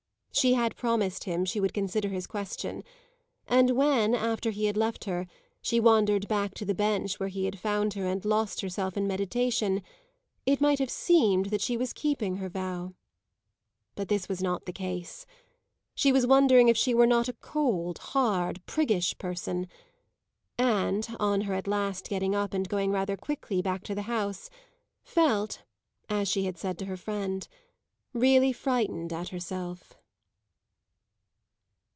She had promised him she would consider his question, and when, after he had left her, she wandered back to the bench where he had found her and lost herself in meditation, it might have seemed that she was keeping her vow. But this was not the case; she was wondering if she were not a cold, hard, priggish person, and, on her at last getting up and going rather quickly back to the house, felt, as she had said to her friend, really frightened at herself.